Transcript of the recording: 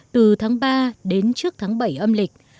từ tháng ba đến trước tháng bảy âm lịch